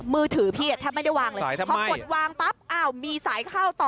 มือถือพี่แทบไม่ได้วางเลยพอกดวางปั๊บอ้าวมีสายเข้าต่อ